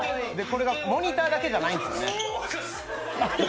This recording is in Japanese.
これがモニターだけじゃないんですね。